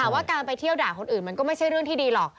ว่าการไปเที่ยวด่าคนอื่นมันก็ไม่ใช่เรื่องที่ดีหรอก